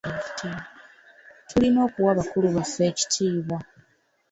Tulina okuwa bakulu baffe ekitiibwa.